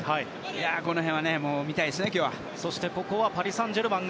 この辺を見たいです、今日は。